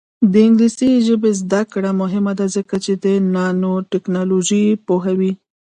د انګلیسي ژبې زده کړه مهمه ده ځکه چې نانوټیکنالوژي پوهوي.